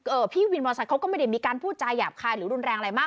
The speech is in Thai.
พี่วินมอเซเขาก็ไม่ได้มีการพูดจาหยาบคายหรือรุนแรงอะไรมาก